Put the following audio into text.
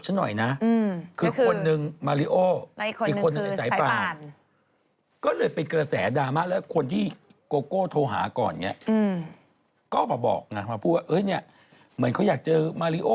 ใช่เขาอาจจะแพลนไว้แล้วว่าเขาต้องไปอะไรอย่างนี้